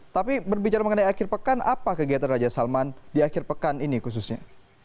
tapi berbicara mengenai akhir pekan apa kegiatan raja salman di akhir pekan ini khususnya